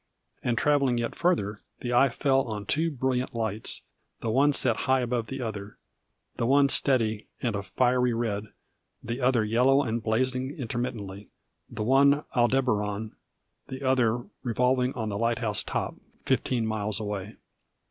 And, travelling yet further, the eye fell on two brilliant lights, the one set high above the other the one steady and a fiery red, the other yellow and blazing intermittently the one Aldebaran, the other revolving on the lighthouse top, fifteen miles away.